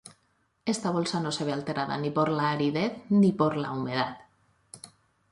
Esta bolsa no se ve alterada ni por la aridez ni por la humedad.